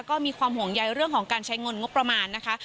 ก็มีความห่วงใยเรื่องของการใช้เงินงบประมาณนะคะ